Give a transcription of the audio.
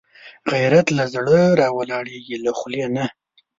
غیرت له زړه راولاړېږي، له خولې نه